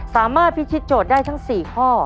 สามารถพิชิตโจทย์ได้ทั้ง๔ข้อ